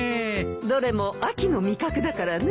どれも秋の味覚だからね。